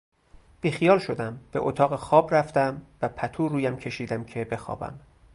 بیخیال شدم به اتاق خواب رفتم و پتو رویم کشیدم که بخوابم